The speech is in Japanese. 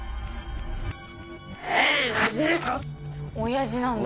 親父なんだ。